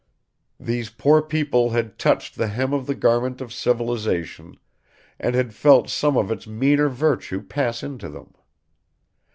These poor people had touched the hem of the garment of civilization, and had felt some of its meaner virtue pass into them.